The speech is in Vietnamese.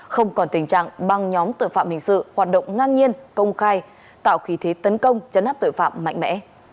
không còn tình trạng băng nhóm tội phạm hình sự hoạt động ngang nhiên công khai tạo khí thế tấn công chấn áp tội phạm mạnh mẽ